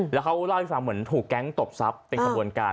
แล้วเขาเล่าให้ฟังเหมือนถูกแก๊งตบทรัพย์เป็นขบวนการ